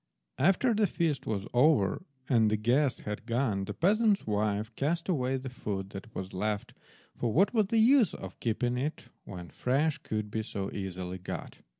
After the feast was over and the guests had gone, the peasant's wife cast away the food that was left, for what was the use of keeping it when fresh could be so easily got?